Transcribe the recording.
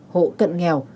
hộ cận nghèo